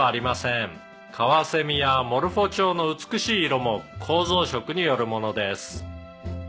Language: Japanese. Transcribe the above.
「カワセミやモルフォ蝶の美しい色も構造色によるものです」